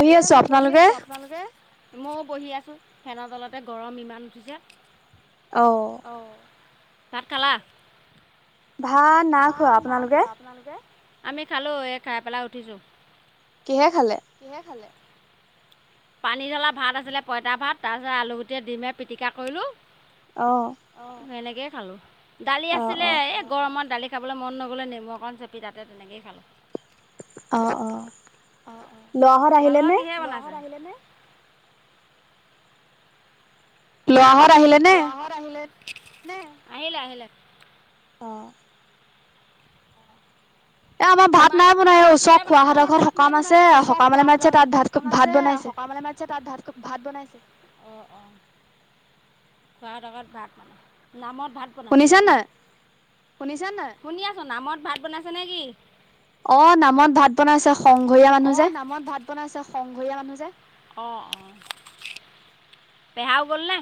বহি এ আছো মই বহি আপোনালোকে? আছো আপোনালোকে। ময়ো বহি আছোঁ ফেনৰ তলতে গৰম ইমান উঠিছে। অ। অঁ ভাত খালা। ভাত না খোৱা ভাত নাই আপোনালোকে। খোৱা আপোনালোকে আমি খালো এই খাই পেলাই উঠিছো কিহে খালে? কিহে খালে। পানী জ্বলা ভাত আছিলে পইতা ভাত তাৰ পিছত আলু গুটে দিমে পিটিকা কৰিলো। অ অ সেনেকেই খালো দালি অ আছিলে অ এ গৰমত দালি খ খাবলৈ মন নগ'লে নেমু অকণ চেপি তাতে তেনেকেইে খালোঁ [unintelligible] অ' অ' অঁ লৰাহত আহিলে নে? মানে লোৱাহত [unintelligible] মহা হট আহিল ন আহিলে আহিলে [unintelligible] অ এ আমাৰ ভাত তোমাক নাই বনাই এই তোমালোকৰ কিহে এ ওচৰত বনাইছে খোৱাাহঁৰ আমাৰ ভাত? ঘৰত ভাত নাই সকাম বনাই আছে এই ওচৰৰ সকামে খুৰাহঁতৰ মাতিছে তাত সকাম ভাত ভাত আছে বনাইছে [unintelligible] সকামলে মাতিছে তাত ভাত ভাত বনাইছে। [unintelligible] অঁ অঁ খোৱা লগত ভাত মানে নামত ভাত বনাইছে শুনিছা নেকি নাই? শুনিছা নহ শুনি আছো নামত ভাত বনাইছে নেকি? অ নামত ভাত বনাইছে সংঘৰীয়া অ মানুহ যে নামত ভাত বনাইছে সংঘৰীয়া মানুহ যে অঁ অঁ পেহাও গ'লনে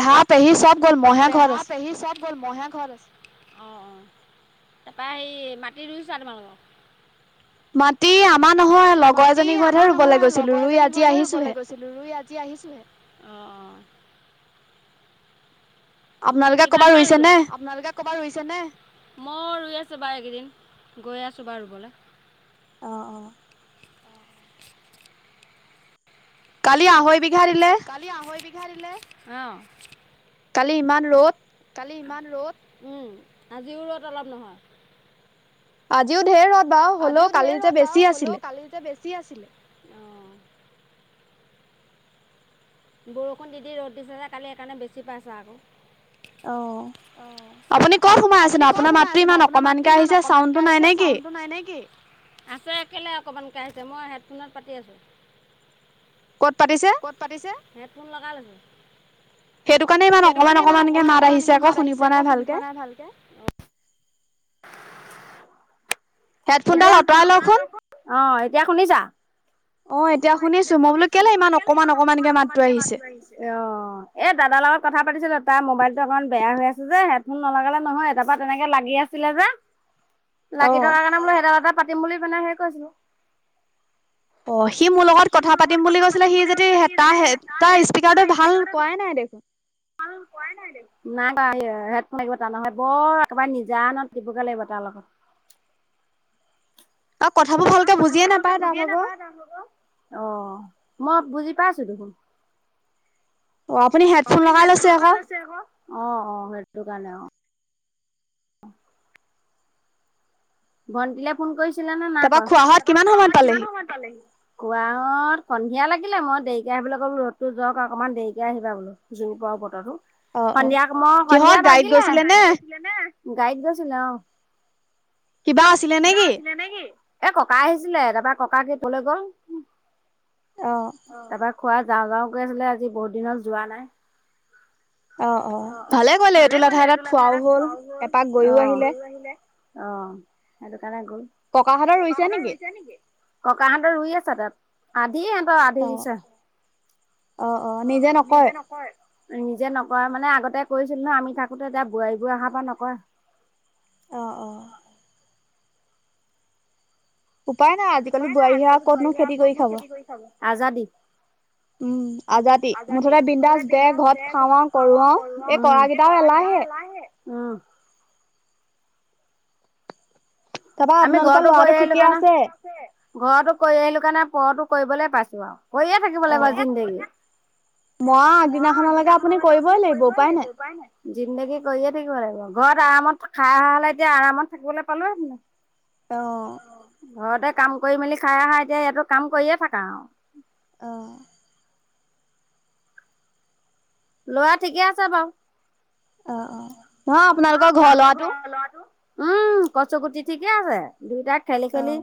পেহা পেহি চব গ'ল মইহে ঘৰত পেহা আছো। পেহী চব গ'ল মইহে ঘৰত আছে অ অ তাৰপা সেই মাটি ৰুই চা তোমালোকৰ মাটি আমাৰ নহয় লগৰ মাটি এজনী ঘৰতহে আমাৰ ৰুবলৈ নহয় গৈছিলো লগৰ ৰুই এজনী আজি ঘতহে আহিছোহে। ৰুবলৈ গৈছিলো ৰুই আ আজি আহিছোহে [inaudible] আপোনালোকে ক'ৰবাত কিমান মান ৰুইছে ৰুলা? নে? আপোনালোকে ক'বাত ৰুইছে নে মই ৰুই আছোঁ বাৰু এইকেইদিন গৈ আছোঁ বাৰু ৰুবলৈ আহ অ' কালি আহৈবিঘা কালি আহৈ বিঘাদিলে হ [unintelligible] কালি ইমান ৰ'দ কালি ইমান ৰ'দ। উম আজিও ৰ'দ অলপ নহয়। আজিও ধেৰ আজিও ঢেৰ ৰদ বাৰু হ'লেও কালি যে বেছি আছিলে [unintelligible] বৰষুণ দি দি ৰ'দ দিছে যে কালি সেইকাৰণে বেছি পাইছা আকৌ [unintelligible] আহ অ', আপুনি ক'ত সোমাই আছে আপুনি ক'ত আপোনাৰ সোমাই মাতটো আছেনো ইমান আপোনাৰ মাতটো অকমানকে ইমান আহিছে অকমানকে চাউণ্ডটো নাই আহিছে নে কি [unintelligible] চাউণ্ডটো নাই নে কি? আছে কেল অকমান কে আহিছে মই হেডফোনত পাতি আছো ক'ত পাতিছে? ক'ত পাতিছে হেডফোন লগাইলৈছো সেইটো কাৰণে [unintelligible] ইমান সেইটো অকমান কাৰণে ইমান অকমানকে অকমান মাত আহিছে অকমানকে আকৌ মাত শুনি আহিছে পোৱা আকৌ শুনি ভালকে। পোৱা নাই ভালকে [unintelligible] [inaudible] হেডফোনডাল এতিয়া সৰা অঁতৰাই লওকচোন। আহ এতিয়া শুনিছা অ' এতিয়া শুনিছো এতিয়া শুনিছো মই বোলো কেলে ইমান অকমান অকমানকে মাছ ধৰিছে অ এ দাদাৰ লগত কথা পাতিছো ত [unintelligible] মোবাইলটো অকমান বেয়া হৈ আছে যে ভুল নলাগালে নহয় এটাৰ পৰা তেনেকে লাগি আছিলে যে লাগি থকাৰ অ কাৰণে বোলো সেইটো এটা [unintelligible] মুলি বনাই সে কৈছিলো [unintelligible] অ সি মোৰ লগত কথা পাতিম বুলি কৈছিলে সি যদি তাৰ তাৰ স্পীকাৰটো ভাল কোৱাই নাই দে [unintelligible] [inaudible] নাই হেডফোন লাগিব তাৰ নহয় বৰ একবাৰে নিজানত দিবগৈ লাগিব তাৰ লগত [unintelligible] [inaudible] আৰু কথাবোৰ আৰু ভালকে বুজিয়ে কথাবোৰ ভালকে নাপায় তাৰ বুজিয়ে ভাগৰ। নাপায় তাৰ লগোকৰ অ' মই বুজি পাইছো দেখোন। অ' আপুনি হেডফোন লগাই লৈছে আকৌ অ অ সেইটো কাৰণে অ। ভণ্টিলে ফোন কৰিছিলা নে নাই তাৰপা ক খোৱাহত তপৰা কিমান খোৱা সময়ত হোৱা কিমান পালেহি? সময়ত পালেহি কুৱত সন্ধিয়া লাগিলে মই দেৰিকে আহিবলৈ ক'লো ৰ'দতো যওক অকমান দেৰিকে আহিবা বোলো জু বতো সন্ধিয়াক মই কিহত সন্ধিয়া গাড়ীত ভাগিলে গৈছিলে গাইত নে গৈছিলে নে? গাড়ী গছিল ল কিবা আছিলে নেকি? এ ককা আহিছিলে। তাৰপৰা ককাক তলৈ গল অ', তাৰপা খুৰ যাওঁ যাওঁ গৈ আছিলে আজি বহুত দিনত যোৱা নাই। অ' অ' ভালে গলে এইটো লেঠাই এটাত থোৱাও হল এপাক গৈও আহিলে অ' সটো নেক ককাহঁতৰ ৰুইছে নেকি? ককাহতৰ ই আছ ত দিয় হহতৰ আধি অ', দিছে। অ' নিজে নকয়ে নিজে নকয়ে মানে আগতে কৰিছিলো ন আমি থাকোঁ‌তে এতিয়া বোৱাৰী বোৰ অহাৰ পৰা নকৰে। অ' অ' উপায় নাই আজিকালি উপায় নাই। বোৱাৰীহে আৰু আজিকালি বোৱাৰ ক'তনো খেতি হোৱাৰৰত কৰি মই খাব। খেতি কৰি চাবো আজাদ উম আজাদি মুঠতে বিন্দাজ দে ঘৰত খাওঁ‌ কৰা এই কৰা কেইটা য ল আহ উ তাৰপা আমি আপোনালোকৰ ঘৰতো ল'ৰাটো কৰি আহিলো ঠিকে আছে? কাৰণে ঘৰতো কৰি আহিলো কাৰণে পৰো কৰিবলৈ পাইছো আৰু হৈয়ে থাকিব লাগিব অ', জিন্দেগী মই আগদিনাখনলৈকে আপুনি কৰিবই লাগিব উপায় নে জিন্দেগী কৰিয়ে থাকিব লাগিব। ঘৰত আৰামত খাই খ হ'লে এতিয়া আৰামত থাকিবলৈ পালো। অ' কাম কৰি মেলি খাই আহা এতিয়া ইয়াটো কাম কৰিয়ে থাক আৰু। আহ। লৰা ঠিকে আছে বাৰু অ অ নহ আপোনালোকৰ ঘৰ লৰাটো উম কচ কুটি ঠিকে আছে দুইটাই খেলি খেলি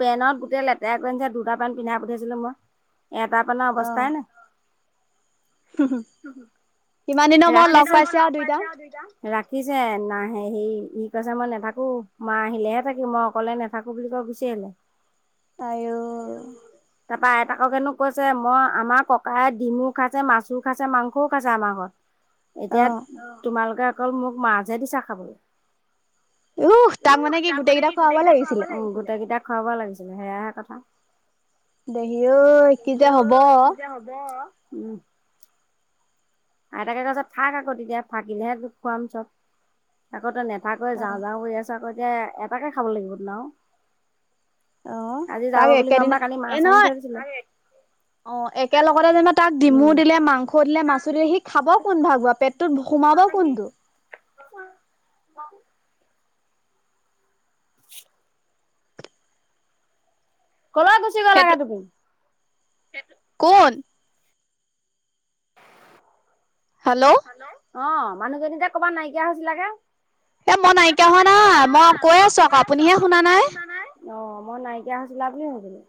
পেনত গোটেই লেতেৰা কৰিছে দুটা পেনট পিন্ধাই পঠিয়াইছিলো মই এটা পেনৰ অৱস্থাই ন হ হু ৰাখিছো লগ পাইছে আ দুইটা ৰাখিছে নাহে সে ই কৈছে মই নাথাকো মা আহিলেহে থাকি মই অকলে নাথাকো বুলি কৈ অভিচোলে ত তাৰপৰা আইতাককেনো কৈছে মই আমাৰ ককাই ডিমো খাইছে মাছো খাইছে মাংসও খাইছে আমাৰ ঘৰত অ এতিয়া তোমালোকে অকল মোক মাছহে দিছা খাবলৈ উ তাক মানে উহ কি গোটেই কেইটা খোৱাব লাগিছিলে খাব লাগিছিলে সেয়াহে কথা দেহিও কি যে হব অই কি যে হ'ব উম আইতাকে কৈছে থাক আকৌ তেতিয়া থাকিলেহে খুৱাম চব আকৌ নে কথা কৈ যাওঁ যাওঁ চা এতিয়া এটাকে খাব লাগিব তোন অ আজি যাব তাকে বুলি গম একেদিন পা কালি এ মাছ আনি নহ থৈ দিছিলে অ একেল লগগতে যেনা তাক ডিমু উম। দিলে মাংস দিলে মাছ দিলে সিক খাব কোন ভাগ বাও পেটটোত সোমাব কোনটো [unintelligible] কল গুচি গ'লগে সেইটো তুমি কোন হেল্ল' অ মানুহজনীতে কৰ'বাত নাইকিয়া হৈছিলাগে এ মই নাইকিয়া হোৱা নাই মই কৈ আছো আকৌ আপুনিহে শুনা নাই। অ, মই নাইকিয়া হৈছিলা বুলি ভাবিলোঁ।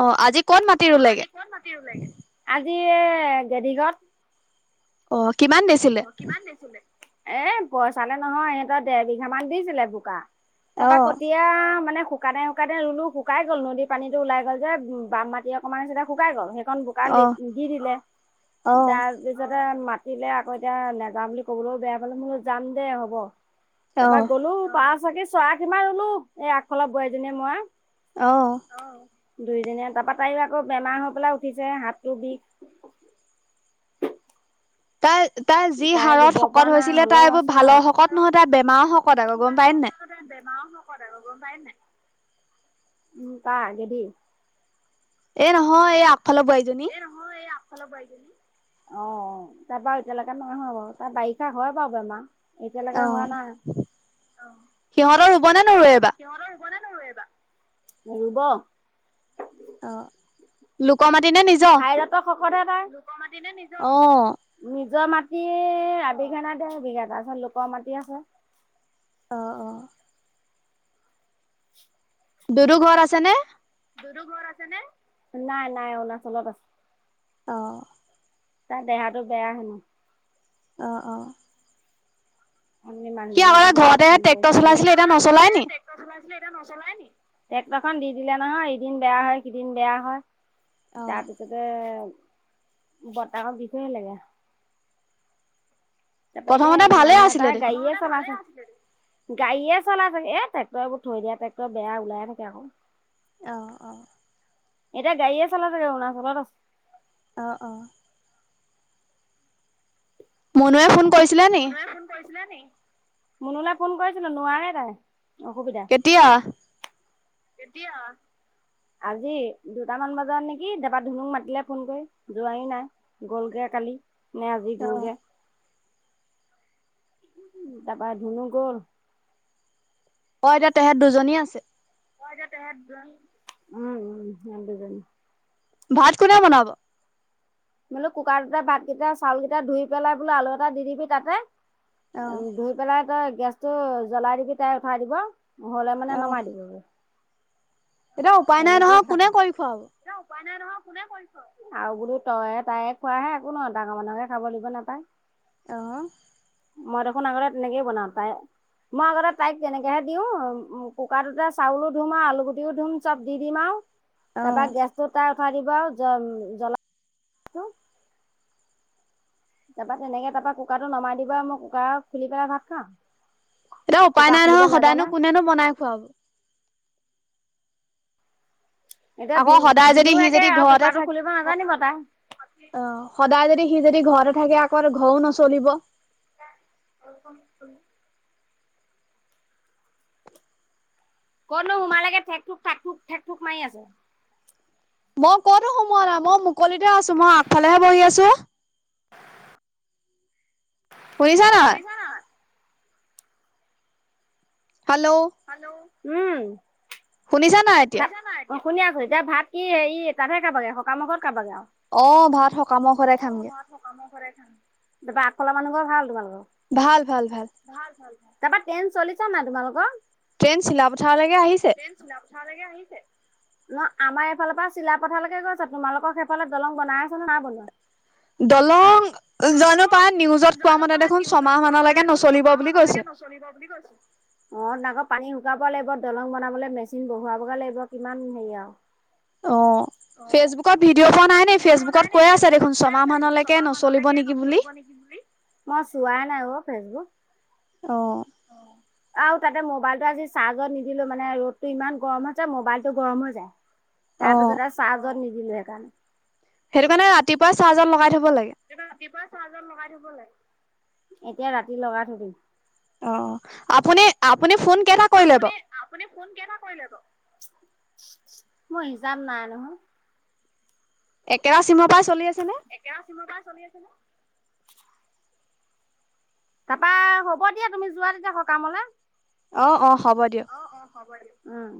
অ, আজি ক'ত মাতি ৰুলেগে? য়ে গদীগাঁৱত। অ, কিমান দিছিলে? এ পইচালে নহয় সিহঁতৰ দেৰ বিঘা মান দিছিলে বোকা অ তাৰাপা কতিয়া মানে শুকানে, শুকানে ৰুলো শুকাই গ'ল নদী পানীতো ওলাই গ'ল যে বাম মাটি অকণমানি শুকাই গ'ল। এন বোকা অ দি'দিলে তাৰপিছতে মাতিলে আকৌ এতিয়া নাযা বুলি কবলৈও বেয়া পালো মো যাম দে হ'ব তাৰপৰা অ গ'লো বাছ চাকি চৰা কিমান ৰুলো এই আগফালৰ বোৱাই এজনীয়ে মই। আহ দুই দিনিয়া তাৰপা তাইও আকৌ বেমাৰ হৈ পেলাই উঠিছেহে হাতটো বিষ। তাই তাৰ যি তাই ৰুব হাড়ত পৰা শকত নাই হৈছিলে তাই হ'লেও এইবোৰ আছে আৰু। ভালৰ শকত নহয় তাৰ বেমাৰৰ শকত আকৌ গম পায় ন নাই? বেমাৰ শকত পায়ছে? উম তা আগেদি এ নহয় এই আগফালৰ বোৱাৰীজনী। নহয় এই অ তাৰ বাৰু এতিয়ালৈকে নাইহোৱা বাৰু তাৰ বাৰিষা হয় বাৰু বেমাৰ। এতিয়ালৈকে অ', হোৱা নাই অ সিহঁতৰ ৰুব নে নৰুৱে এইবাৰ? সিহঁতৰ ৰুব নে ন এইবা? ৰুব। অ লোকৰ মাটি নে নিজৰ? লু'ক মাটি নে নিজৰ? অ'। নিজৰ মাটি আবিঘটা দে বিঘা তাৰ পিছত লোকৰ মাটি ক'ও অঁ অঁ দুদু ঘৰত আছে নে? দুদু ঘৰত আছে নে? নাই, নাই। অৰুণাচলত আছে। অ'। তাৰ দেহাটো বেয়া হেনো। অ-অ। অথনি মানুহজনীয়ে কৈছিলে ঘৰতেহে ফোন ট্ৰেক্টৰ কৰিছিলে নো [unintelligible] চলাইছিলে এতিয়া নচলাই নি? সি এতিয়া নচলাই নি? ট্ৰেক্টৰ খন দি দিলে নহয়। এদিন বেয়া হয়, সিদিন বেয়া হয়। তাপিছতে বতাকক দি থ'ই আহিলেগে। তাৰপা প্ৰথমতে এতিয়া ভালে মানুহ আছিলে এটাই দেখোন। গাড়ি এ চলাচে। গাড়ীয়ে চলাই থাকে। এ ট্ৰেক্টৰবোৰ থৈ দিয়া ট্ৰেক্টৰ বেয়া ওলাই থাকে আকৌ। অহ অ। এতিয়া গাড়ীয়ে চলাই থাকে, অৰুনাচলত আছে। অ-অ। মুনোৱে ফুন মুনুৱে ফোন কৰিছিলে নি? মুনুলে ফোন কৰিছিলো নোৱাৰে তাই। অসুবিধা কেতিয়া? কেতিয়া? আজি দুটামান বজাত নেকি? দেবা ধুনুক মাতিলে ফোন কৰি। যোৱাই নাই গলগে কালি। নে আজি গল'গে। অ' উ তাপা ধুনু গল? অ, এতিয়া তেহেত দুজনী আছে? অ এতিয়া তেহেত দুজনী। উম উম সেহেট দুজনী। ভাত কোনে বনাব? বোলো কুকাৰটোতে ভাতকেইটা চাউল কেইটা ধুই পেলাই বোলো আলু এটা দি দিবি তাতে। অ', ধুই পেলাই তই গেছতটো জ্বলাই দিবি তাই উঠাই দিব নহ'লে মানে নমাই দিবগৈ। এতিয়া উপায় নাই নহয় কোনে কৰি খোৱাব। উপাই নাই নহয় কোনে কৰি খোৱাব আৰু বোলো তইে তাইে খোৱাহে একো নহয় ডাঙৰ মানুহে খাব দিব নাপায়। আহ মই দেখোন আগতে তেনেকে বনাওঁ পায়। মই আগতে তাইক তেনেকেহে দিওঁ কুকাৰটোতে চাউলো ধুম আৰু আলু গুটিও ধুম। চব দি দিম আও তাৰপা অ', গেছটো তাই উঠাই দিব আৰু জম জলা [unintelligible] তাৰপা তেনেকে তাৰপৰা কুকাৰটো নমাই দিবা, মই কুকাৰ খুলি পেলাই ভাত খাম। এতিয়া উপায় নাই নহয়, সদাইনো কোনেনো বনাই খোৱাব? এতিয়া ধু আকৌ সদায় যদি ধুনু সি একে যদি আৰু ঘৰতে কুকাৰটো থাক খুলিব নাজানিব তাই অ, সদায় যদি সি যদি ঘৰতে থাকে, আকৌ ঘৰো নচলিব। [unintelligible] ক'তনো সোমালাগে? ঠেক‌-থোক, থাক-থুক, থেকে-থোক মাৰি আছে। মই কতো সোমোৱা নাই। মই মুকলিতে আছো। মই আগফালেহে বহি আছো। [inaudible] কৰিছা নাই? হেল্ল' হেল্ল' উম। শুনিছা নাই এতিয়া? শুনিছনে নাই এতিয়া? শুনি আছো। এতিয়া ভাত কি এই তাতহে খাবাগে সকাম ঘৰত। খাবাগে আৰু অ, ভাত সকামৰ ঘৰতে খামগে। তাৰপা আগফালৰ মানুহ ঘৰ ভাল তোমালোকৰ? ভাল, ভাল, ভাল। তাৰাপা ট্ৰেইন চলিছে নাই তোমালোকৰ? ট্ৰেইন চিলাপথাৰলৈকে আহিছে। তা লেকে আহিছে। না আমাৰ এইফালৰ পৰা চিলা পথাৰলৈকে গৈছে। তোমালোকৰ সেইফালে দলং বনাই আছে নে নাই বনোৱা? দলং জানো দলং পাই নিউজত কোৱা জানো মতে পাই দেখোন নিউজত ছমাহ পোৱা মান মতে লৈকৈ দেখোন নচলিব ছমাহ বুলি কৈছে। মানলৈকে নচলিব বুলি কৈছে। অ আকৌ পানী শুকাব লাগিব দলং বনাবলৈ মেচিন বহুৱাবগে লাগিব কিমান হেৰি আৰু অ অ ফেচবুকত ভিডিঅ' পোৱা ফেচবুকত নাই নে ভিডিঅ' পোৱা ফেচবুকত নাই নি? কৈ আছে ফেচবুকত দেখোন কৈ ছমাহ আছে দেখোন মানলৈকে ছমাহ নচলিব মানলৈকে নেকি বুলি। নচলিব [inaudible] নেকি বুলি। মই চোৱাই নাই অ ফেচবুক অ'। আৰু তাতে মোবাইলতটো আজি চাৰ্জত নিদিলো মানে ৰ'দতটো ইমান গৰম হৈছে মোবাইলতটো গৰম হৈ যায়। তাৰ অ', পিছত আৰু চাজত নিদিলো সেইকাৰণে সেইটো কাৰণে ৰাতিপুৱা চাহজত লগাই থব লাগে। ৰাতিপুৱা চাহ্জত লগাই থব লাগে এতিয়া ৰাতি লগাই থৈ দিম। অ আপুনি আপুনি ফোন কেইটা কৰিলে ব আপুনি মই হিচাপ নাই নহয়। একেৰা চিমৰ পৰাই চলি আছে নে? একেৰা চিমৰ পৰা চলি আছে নে? তাৰপা হ'ব দিয়া তুমি যোৱা তেতিয়া সকামলে। অ অ। হ'ব দিয়ক। আহ অ হব উম